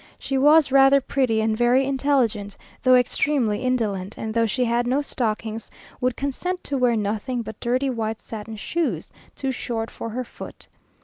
She was rather pretty, and very intelligent, though extremely indolent; and though she had no stockings, would consent to wear nothing but dirty white satin shoes, too short for her foot.